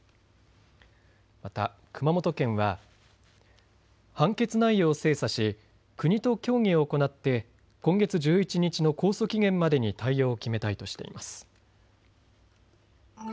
また熊本県は判決内容を精査し国と協議を行って今月１１日の控訴期限までに対応を決めたいとしています。